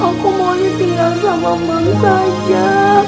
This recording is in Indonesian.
aku maunya tinggal sama mams aja